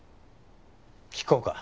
聞こうか。